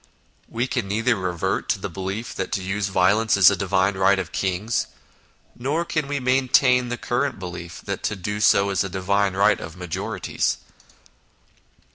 We can neither revert to the belief that to use violence is a divine right of kings, nor can we maintain the current belief that to do so is a divine right of majorities.